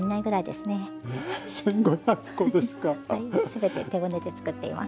全て手ごねで作っています。